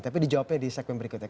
tapi dijawabnya di segmen berikutnya